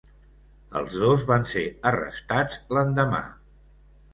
Els dos van ser arrestats l'endemà.